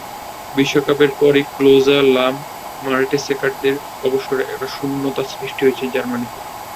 বিশ্বকাপের পরই Klose, Lahm, মার্টেসেকারদের অবসরে একটা শূন্যতাই সৃষ্টি হয়েছে জার্মানিতে।